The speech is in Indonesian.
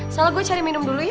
salah gue cari minum dulu ya